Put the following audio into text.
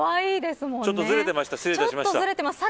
ちょっとずれてました。